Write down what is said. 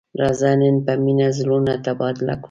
راځه نن په مینه زړونه تبادله کړو.